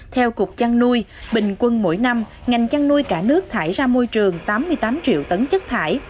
theo cục chăn nuôi bình quân mỗi năm ngành chăn nuôi cả nước thải ra môi trường tám mươi tám triệu tấn chất thải